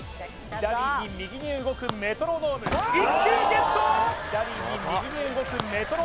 左に右に動くメトロノーム１球ＧＥＴ！